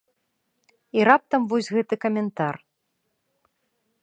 І раптам вось гэты каментар.